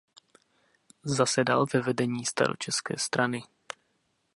Zasedal ve vedení staročeské strany.